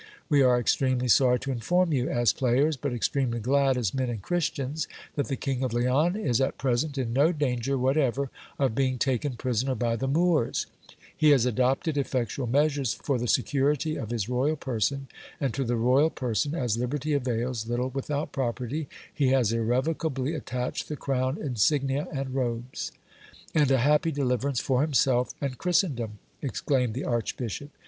We are extremely sorry to inform you, as players, but extremely glad, as men and Christians, that the King of Leon is at p:esent in no danger whatever of being taken prisoner by the Moors : he has adopted effectual measures for the security of his royal person ; and to the royal person, as liberty avails little without property, he has irrevocably attached the crown, insignia, and robes. And a happy deliverance for himself and Chris tendom ! exclaimed the archbishop.